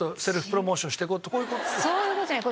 そういう事じゃない。